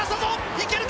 いけるか？